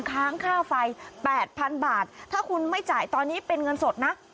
ค้างค่าไฟ๘๐๐๐บาทถ้าคุณไม่จ่ายตอนนี้เป็นเงินสดนะ